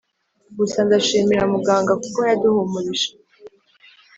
Gusa ndashimira muganga kuko yaduhumurije